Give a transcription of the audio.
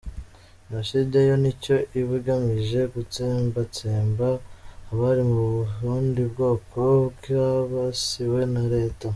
Jenoside yo nicyo iba igamije : gutsembatsemba abari mu bundi bwoko bwibasiwe na Leta.